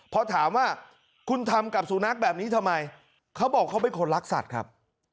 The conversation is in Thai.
พอถามว่าคุณทำกับสุนัขแบบนี้ทำไมเขาบอกเขาเป็นคนรักสัตว์ครับ